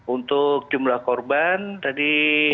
untuk jumlah korban tadi